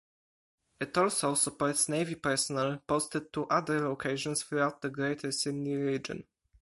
It also supports navy personnel posted to other locations throughout the greater Sydney region.